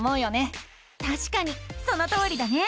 たしかにそのとおりだね！